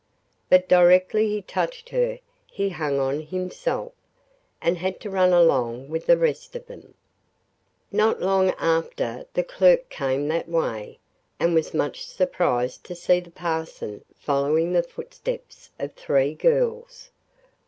But directly he touched her he hung on himself, and had to run along with the rest of them. Not long after the clerk came that way, and was much surprised to see the parson following the footsteps of three girls.